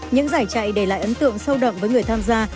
những giải chạy để lại ấn tượng sâu đậm với người tham gia